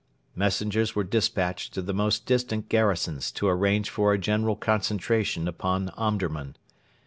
Messengers were despatched to the most distant garrisons to arrange for a general concentration upon Omdurman.